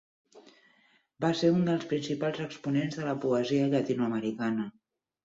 Va ser un dels principals exponents de la poesia llatinoamericana.